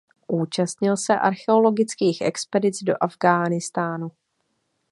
Účastnil se archeologických expedic do Afghánistánu.